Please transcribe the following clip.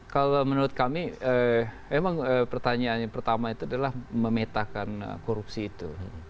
kalau menurut kami memang pertanyaan yang pertama itu adalah memetakan korupsi itu